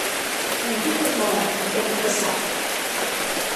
เหมือนที่คุณบอก มันเป็นอุปสรรค